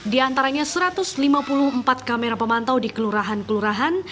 di antaranya satu ratus lima puluh empat kamera pemantau di kelurahan kelurahan